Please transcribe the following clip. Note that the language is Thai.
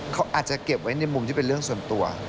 เขาอาจจะเก็บไว้ในมุมที่เป็นเรื่องส่วนตัว